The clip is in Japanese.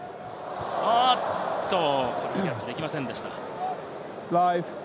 キャッチできませんでした。